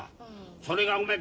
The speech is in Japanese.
それがおめえ